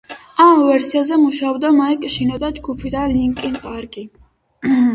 ამ ვერსიაზე მუშაობდა მაიკ შინოდა ჯგუფიდან ლინკინ პარკი.